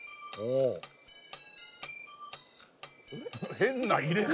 変な入れ方！